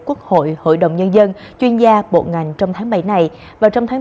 quốc hội hội đồng nhân dân chuyên gia bộ ngành trong tháng bảy này vào trong tháng bốn